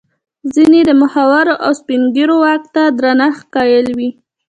ځیني یې د مخورو او سپین ږیرو واک ته درنښت قایل وي.